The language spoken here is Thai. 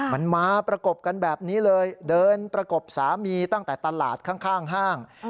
มันมาประกบกันแบบนี้เลยเดินประกบสามีตั้งแต่ตลาดข้างห้าง